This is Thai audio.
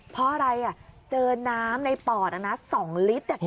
เพราะอะไรเจอน้ำในปอด๒ลิตร